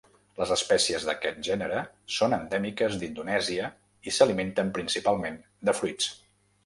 Les espècies d'aquest gènere són endèmiques d'Indonèsia i s'alimenten principalment de fruits.